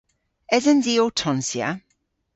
Esens i ow tonsya?